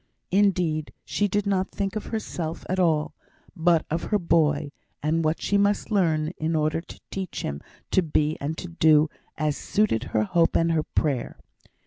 Indeed, she did not think of herself at all, but of her boy, and what she must learn in order to teach him to be and to do as suited her hope and her prayer.